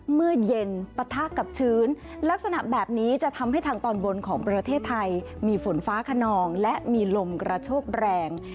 เมื่อเย็นปะทะกับชื้นลักษณะแบบนี้จะทำให้ทางตอนบนของประเทศไทยมีฝนฟ้าขนองและมีลมกระโชกแรง